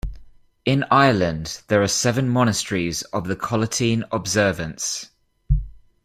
In Ireland there are seven monasteries of the Colettine Observance.